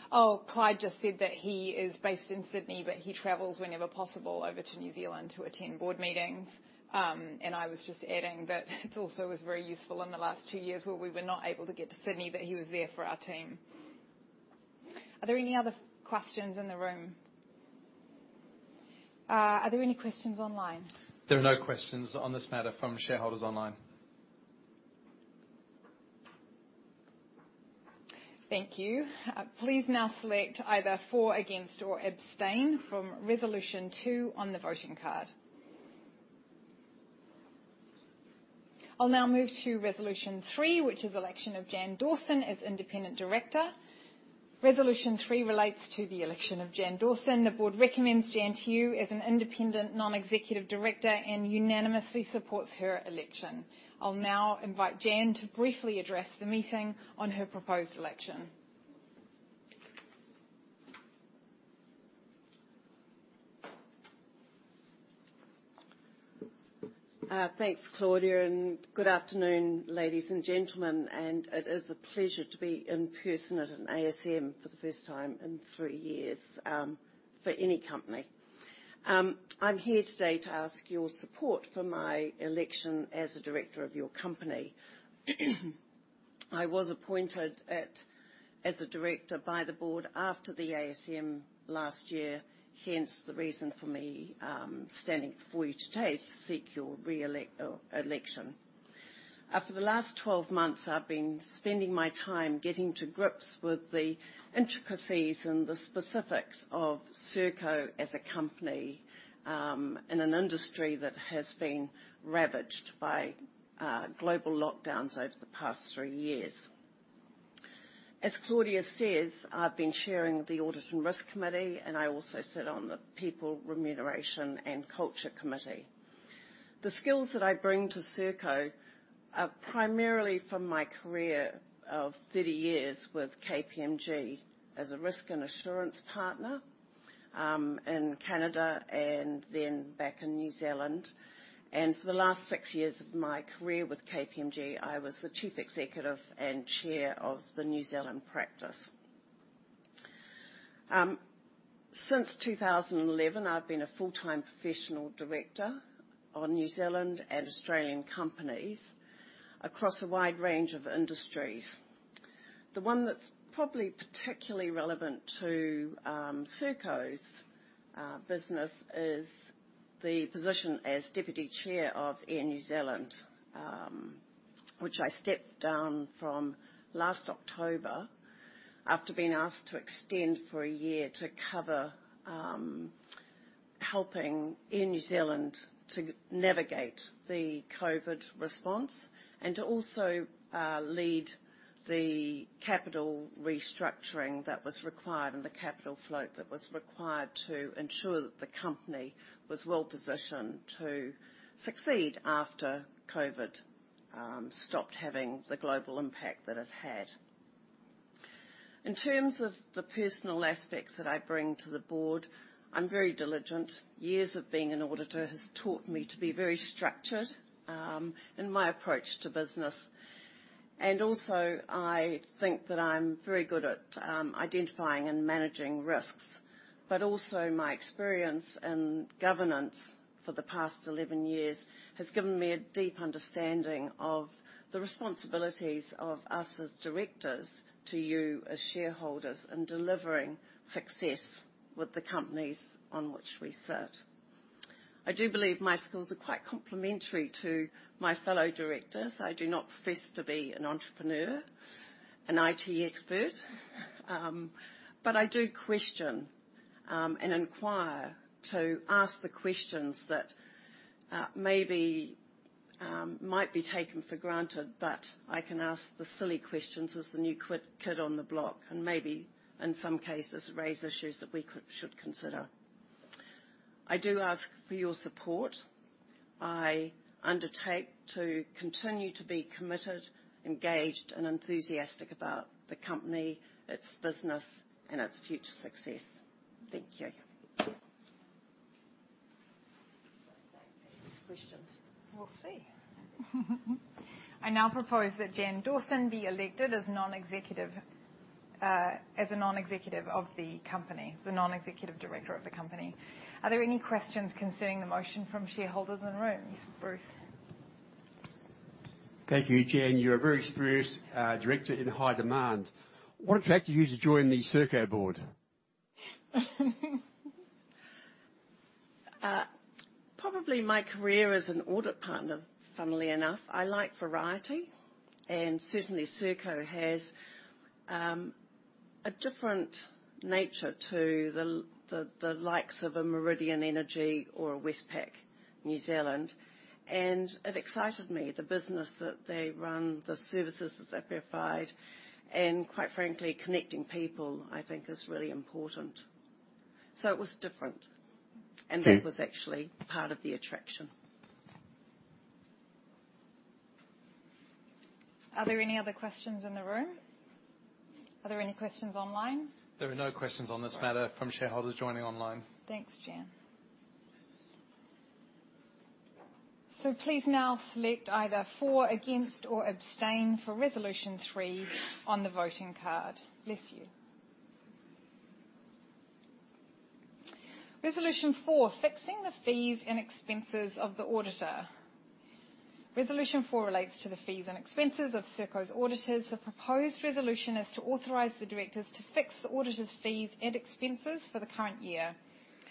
Oh, Clyde just said that he is based in Sydney, but he travels whenever possible over to New Zealand to attend board meetings. I was just adding that it also was very useful in the last 2 years where we were not able to get to Sydney, that he was there for our team. Are there any other questions in the room? Are there any questions online? There are no questions on this matter from shareholders online. Thank you. Please now select either for, against, or abstain from Resolution 2 on the voting card. I'll now move to Resolution 3, which is election of Jan Dawson as Independent Director. Resolution 3 relates to the election of Jan Dawson. The board recommends Jan to you as an Independent Non-executive Director and unanimously supports her election. I'll now invite Jan to briefly address the meeting on her proposed election. Thanks, Claudia, and good afternoon, ladies and gentlemen. It is a pleasure to be in person at an ASM for the first time in 3 years for any company. I'm here today to ask your support for my election as a director of your company. I was appointed as a director by the board after the ASM last year, hence the reason for me standing before you today to seek your election. After the last 12 months, I've been spending my time getting to grips with the intricacies and the specifics of Serko as a company in an industry that has been ravaged by global lockdowns over the past 3 years. As Claudia says, I've been chairing the Audit and Risk Committee, and I also sit on the People, Remuneration, and Culture Committee. The skills that I bring to Serko are primarily from my career of 30 years with KPMG as a risk and assurance partner, in Canada and then back in New Zealand. For the last 6 years of my career with KPMG, I was the chief executive and chair of the New Zealand practice. Since 2011, I've been a full-time professional director on New Zealand and Australian companies across a wide range of industries. The 1 that's probably particularly relevant to Serko's business is the position as deputy chair of Air New Zealand, which I stepped down from last October after being asked to extend for a year to cover helping Air New Zealand to navigate the COVID response. To also lead the capital restructuring that was required and the capital float that was required to ensure that the company was well-positioned to succeed after COVID stopped having the global impact that it had. In terms of the personal aspects that I bring to the board, I'm very diligent. Years of being an auditor has taught me to be very structured in my approach to business. I think that I'm very good at identifying and managing risks. My experience in governance for the past 11 years has given me a deep understanding of the responsibilities of us as directors to you as shareholders in delivering success with the companies on which we sit. I do believe my skills are quite complementary to my fellow directors. I do not profess to be an entrepreneur, an IT expert, but I do question and inquire to ask the questions that maybe might be taken for granted. I can ask the silly questions as the new kid on the block, and maybe in some cases, raise issues that we should consider. I do ask for your support. I undertake to continue to be committed, engaged, and enthusiastic about the company, its business, and its future success. Thank you. I'll take these questions. We'll see. I now propose that Jan Dawson be elected as a non-executive director of the company. Are there any questions concerning the motion from shareholders in the room? Yes, Bruce. Thank you. Jan, you're a very experienced director in high demand. What attracted you to join the Serko board? Probably my career as an audit partner, funnily enough. I like variety, and certainly Serko has a different nature to the likes of a Meridian Energy or a Westpac New Zealand, and it excited me. The business that they run, the services that they provide, and quite frankly, connecting people, I think is really important. It was different. Thank you. That was actually part of the attraction. Are there any other questions in the room? Are there any questions online? There are no questions on this matter from shareholders joining online. Thanks, Jan. Please now select either for, against, or abstain for resolution 3 on the voting card. Bless you. Resolution 4: fixing the fees and expenses of the auditor. Resolution 4 relates to the fees and expenses of Serko's auditors. The proposed resolution is to authorize the directors to fix the auditor's fees and expenses for the current year.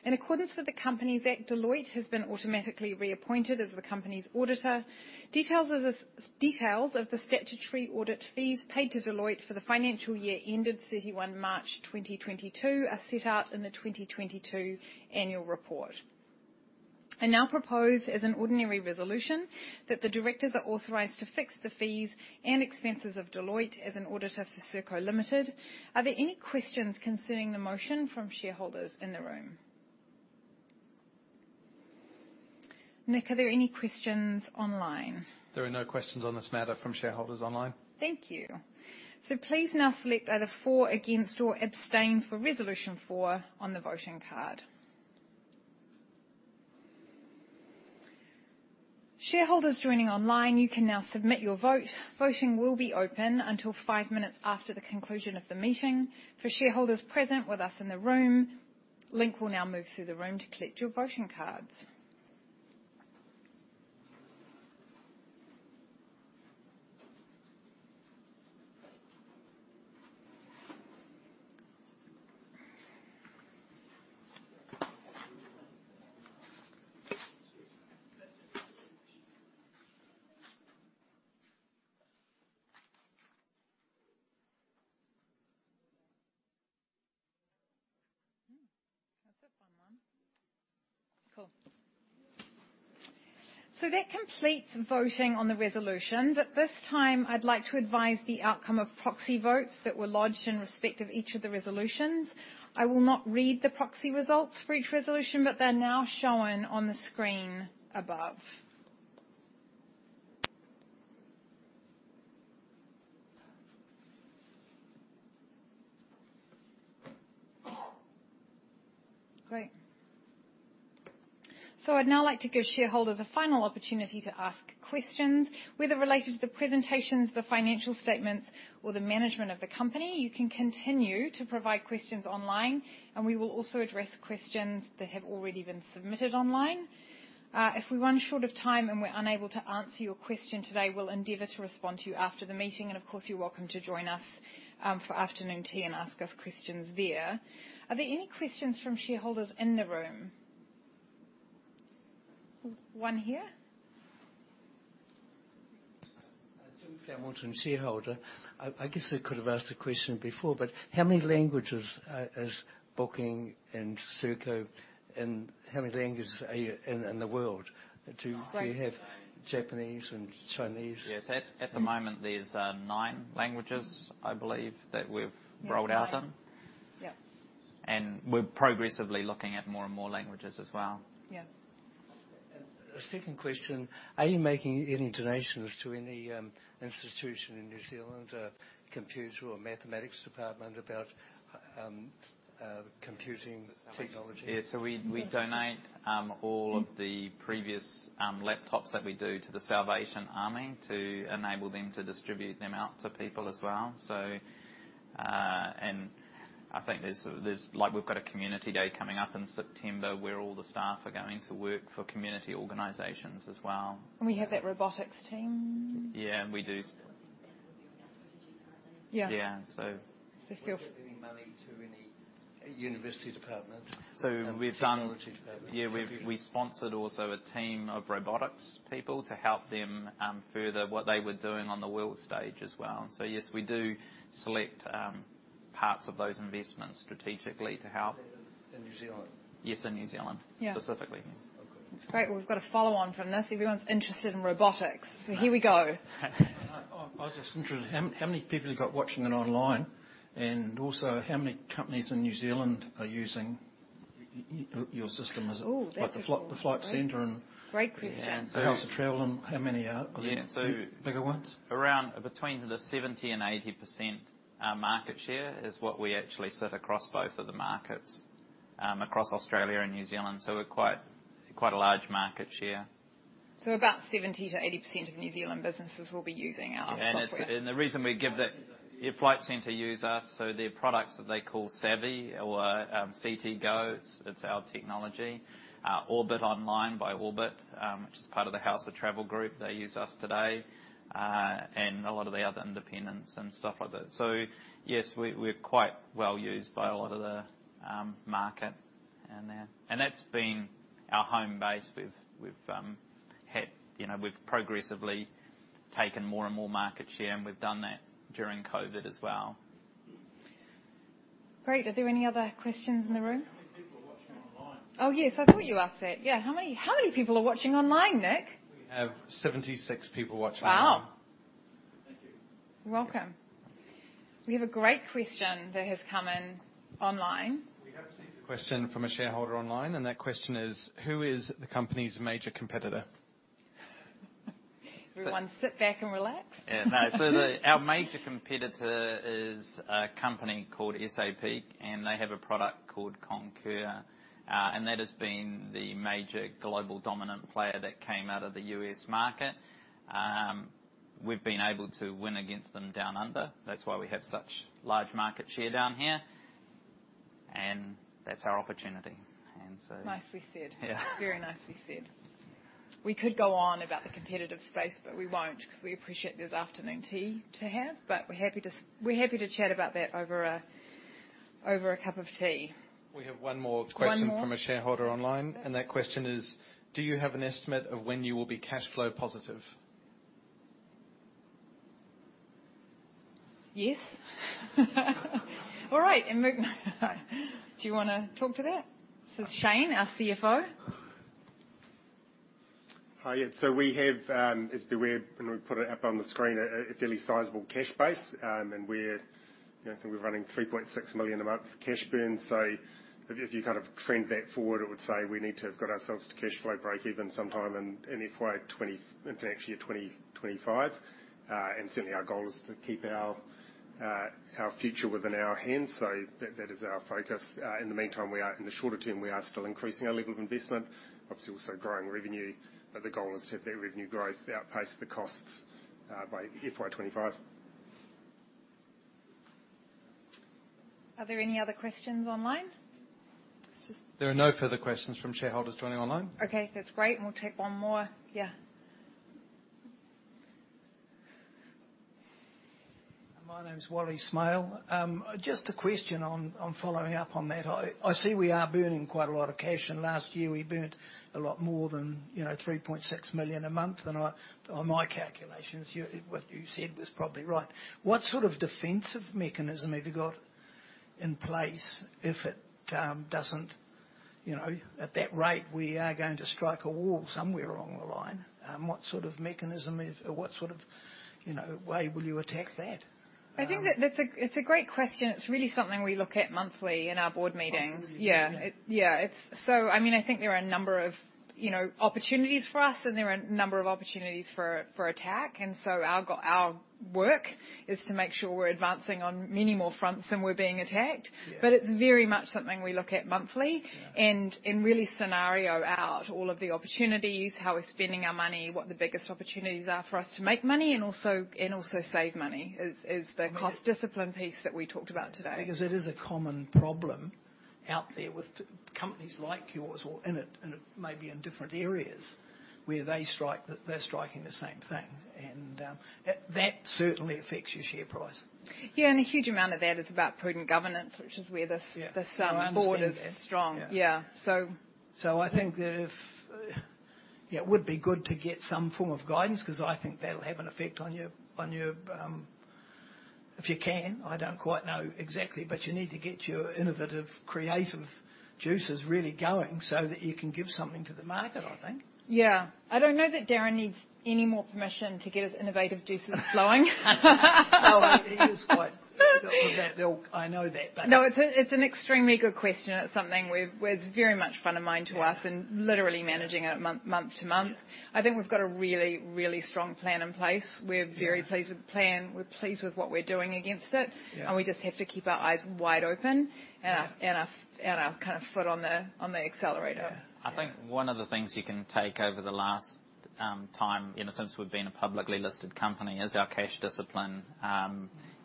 In accordance with the Companies Act, Deloitte has been automatically reappointed as the company's auditor. Details of the statutory audit fees paid to Deloitte for the financial year ended 31 March 2022 are set out in the 2022 annual report. I now propose, as an ordinary resolution, that the directors are authorized to fix the fees and expenses of Deloitte as an auditor for Serko Limited. Are there any questions concerning the motion from shareholders in the room? Nick, are there any questions online? There are no questions on this matter from shareholders online. Thank you. Please now select either for, against, or abstain for resolution 4 on the voting card. Shareholders joining online, you can now submit your vote. Voting will be open until 5 minutes after the conclusion of the meeting. For shareholders present with us in the room, Link will now move through the room to collect your voting cards. That's a fun one. Cool. That completes voting on the resolutions. At this time, I'd like to advise the outcome of proxy votes that were lodged in respect of each of the resolutions. I will not read the proxy results for each resolution, but they're now showing on the screen above. Great. I'd now like to give shareholders a final opportunity to ask questions, whether related to the presentations, the financial statements, or the management of the company. You can continue to provide questions online, and we will also address questions that have already been submitted online. If we run short of time and we're unable to answer your question today, we'll endeavor to respond to you after the meeting, and of course, you're welcome to join us for afternoon tea and ask us questions there. Are there any questions from shareholders in the room? 1 here. Jim Fairmont and shareholder. I guess I could have asked the question before, but how many languages is Booking in Serko and how many languages are you in the world? Do- Great Do you have Japanese and Chinese? Yes. At the moment, there's 9 languages. Mm-hmm I believe that we've rolled out in. Yeah. We're progressively looking at more and more languages as well. Yeah. A second question, are you making any donations to any institution in New Zealand, computer or mathematics department about computing technology? We donate all of the previous laptops that we do to The Salvation Army to enable them to distribute them out to people as well. Like, we've got a community day coming up in September where all the staff are going to work for community organizations as well. We have that robotics team. Yeah. We do. Yeah. Yeah. So if you- Are you giving money to any university department? We've done. technology department? Yeah. We sponsored also a team of robotics people to help them further what they were doing on the world stage as well. Yes, we do select parts of those investments strategically to help. In New Zealand? Yes, in New Zealand. Yeah ...specifically. Okay. That's great. Well, we've got a follow on from this. Everyone's interested in robotics. Here we go. I was just interested, how many people you got watching it online, and also how many companies in New Zealand are using your system? Ooh, that's a great- Like the Flight Centre and Great question. ...the House of Travel, and how many, of the- Yeah. bigger ones? Around between 70 and 80% market share is what we actually sit across both of the markets across Australia and New Zealand, so we're quite a large market share. about 70%-80% of New Zealand businesses will be using our software. the reason we give the Flight Centre. Yeah, Flight Centre use us, so their products that they call Savi or CTGo, it's our technology. Orbit Online by Orbit, which is part of the House of Travel Group, they use us today, and a lot of the other independents and stuff like that. Yes, we're quite well used by a lot of the market in there. That's been our home base. You know, we've progressively taken more and more market share, and we've done that during COVID as well. Great. Are there any other questions in the room? How many people are watching online? Oh, yes. I thought you asked that. Yeah. How many people are watching online, Nick? We have 76 people watching online. Wow. Thank you. You're welcome. We have a great question that has come in online. We have received a question from a shareholder online, and that question is: Who is the company's major competitor? Everyone sit back and relax. Yeah, no. Our major competitor is a company called SAP, and they have a product called Concur. That has been the major global dominant player that came out of the U.S. market. We've been able to win against them down under. That's why we have such large market share down here. That's our opportunity. Nicely said. Yeah. Very nicely said. We could go on about the competitive space, but we won't 'cause we appreciate there's afternoon tea to have. We're happy to chat about that over a cup of tea. We have 1 more question. 1 more. from a shareholder online. Okay. That question is: Do you have an estimate of when you will be cash flow positive? Yes. All right. Do you wanna talk to that? This is Susan, our CFO. Hi, yeah. We have, as we read, and we put it up on the screen, a fairly sizable cash base. We're, you know, I think we're running 3.6 million a month cash burn. If you kind of trend that forward, it would say we need to have got ourselves to cash flow breakeven sometime in FY 2025. Certainly our goal is to keep our future within our hands. That is our focus. In the meantime, in the shorter term, we are still increasing our level of investment. Obviously, we're still growing revenue, but the goal is to have that revenue growth outpace the costs by FY 2025. Are there any other questions online? There are no further questions from shareholders joining online. Okay, that's great, and we'll take 1 more. Yeah. My name is Wally Smalll. Just a question on following up on that. I see we are burning quite a lot of cash, and last year we burned a lot more than, you know, 3.6 million a month. By my calculations, what you said was probably right. What sort of defensive mechanism have you got in place if it doesn't, you know. At that rate, we are going to strike a wall somewhere along the line. What sort of mechanism is or what sort of, you know, way will you attack that. I think that's a great question. It's really something we look at monthly in our board meetings. Oh, okay. I mean, I think there are a number of, you know, opportunities for us, and there are a number of opportunities for attack. Our work is to make sure we're advancing on many more fronts than we're being attacked. Yeah. It's very much something we look at monthly. Yeah. Really scenario out all of the opportunities, how we're spending our money, what the biggest opportunities are for us to make money and also save money is the cost discipline piece that we talked about today. Because it is a common problem out there with tech companies like yours or in IT, and it may be in different areas where they're striking the same thing. That certainly affects your share price. Yeah, a huge amount of that is about prudent governance, which is where this Yeah. I understand, yeah. Board is strong. Yeah. Yeah. I think it would be good to get some form of guidance 'cause I think that'll have an effect on your. If you can. I don't quite know exactly. You need to get your innovative, creative juices really going so that you can give something to the market, I think. Yeah. I don't know that Darrin needs any more permission to get his innovative juices flowing. Well, I know that, but. No, it's an extremely good question. It's something where it's very much front of mind to us. Yeah Literally managing it month to month. Yeah. I think we've got a really, really strong plan in place. Yeah. We're very pleased with the plan. We're pleased with what we're doing against it. Yeah. We just have to keep our eyes wide open and our foot on the accelerator. Yeah. I think 1 of the things you can take over the last time, you know, since we've been a publicly listed company, is our cash discipline.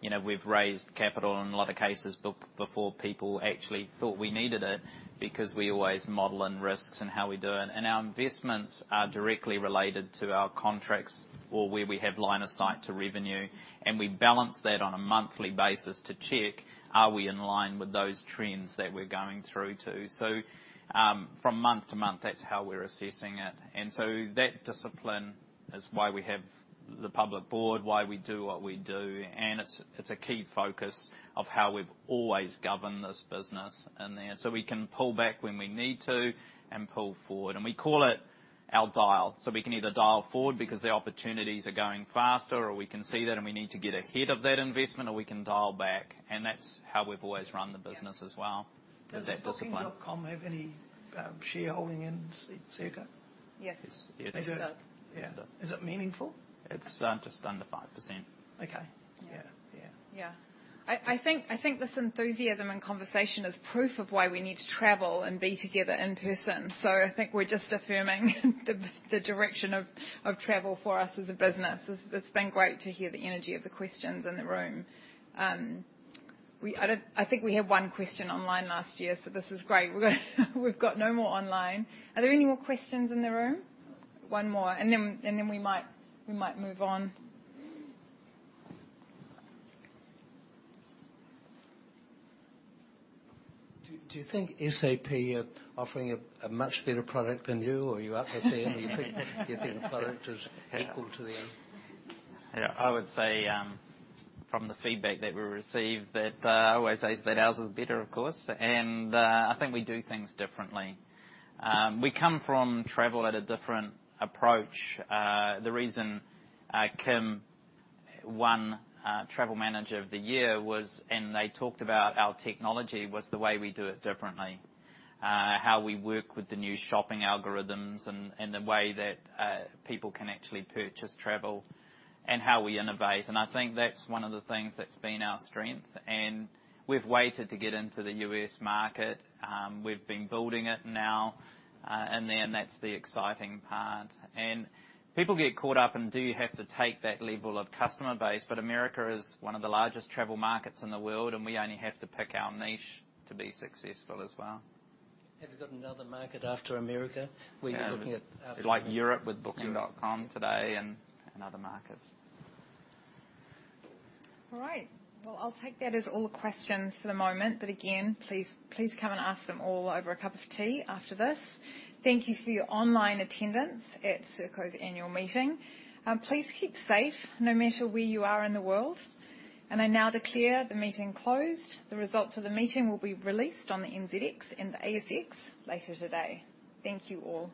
You know, we've raised capital in a lot of cases before people actually thought we needed it because we always model in risks and how we do it. Our investments are directly related to our contracts or where we have line of sight to revenue, and we balance that on a monthly basis to check, are we in line with those trends that we're going through, too. From month to month, that's how we're assessing it. That discipline is why we have the public board, why we do what we do, and it's a key focus of how we've always governed this business in there. We can pull back when we need to and pull forward. We call it our dial. We can either dial forward because the opportunities are going faster, or we can see that and we need to get ahead of that investment, or we can dial back, and that's how we've always run the business as well. Yeah. It's that discipline. Does Booking.com have any shareholding in Serko? Yes. Yes. They do? It does. Yes, it does. Is it meaningful? It's just under 5%. Okay. Yeah. Yeah. Yeah. I think this enthusiasm and conversation is proof of why we need to travel and be together in person. I think we're just affirming the direction of travel for us as a business. It's been great to hear the energy of the questions in the room. I think we had 1 question online last year, so this was great. We've got no more online. Are there any more questions in the room? 1 more, and then we might move on. Do you think SAP are offering a much better product than you, or are you up with them? You think the product is equal to them? Yeah. I would say, from the feedback that we receive that, I always say is that ours is better, of course. I think we do things differently. We come from travel at a different approach. The reason Kim won Travel Manager of the Year was, and they talked about our technology, was the way we do it differently. How we work with the new shopping algorithms and the way that people can actually purchase travel and how we innovate. I think that's 1 of the things that's been our strength. We've waited to get into the U.S. market. We've been building it now, and then that's the exciting part. People get caught up and do have to take that level of customer base, but America is 1 of the largest travel markets in the world, and we only have to pick our niche to be successful as well. Have you got another market after America? Yeah. Where you're looking at. Like Europe with Booking.com today and other markets. All right. Well, I'll take that as all the questions for the moment. But again, please come and ask them all over a cup of tea after this. Thank you for your online attendance at Serko's annual meeting. Please keep safe no matter where you are in the world. I now declare the meeting closed. The results of the meeting will be released on the NZX and the ASX later today. Thank you all.